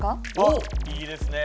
いいですね！